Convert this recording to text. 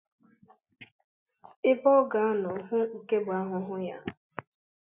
Ebe ọ ga-anọ hụ nke bụ ahụhụ anya